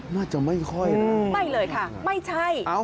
น่าจะไม่ค่อยนะไม่เลยค่ะไม่ใช่